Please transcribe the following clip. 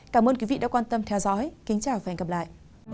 cảm ơn quý vị đã quan tâm theo dõi kính chào và hẹn gặp lại